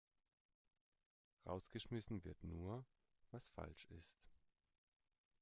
Rausgeschmissen wird nur, was falsch ist.